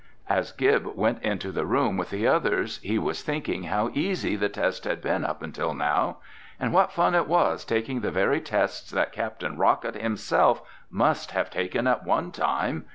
As Gib went into the room with the others, he was thinking how easy the test had been up until now. And what fun it was taking the very tests that Captain Rocket himself must have taken at one time!